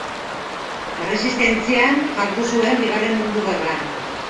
Erresistentzian jardun zuen Bigarren Mundu Gerran.